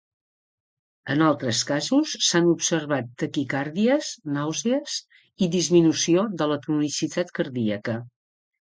En altres casos s'han observat taquicàrdies, nàusees i disminució de la tonicitat cardíaca.